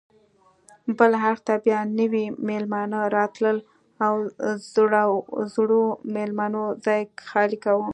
بل اړخ ته بیا نوي میلمانه راتلل او زړو میلمنو ځای خالي کاوه.